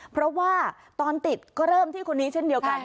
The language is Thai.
เพราะว่าตอนติดก็เริ่มที่คนนี้เช่นเดียวกัน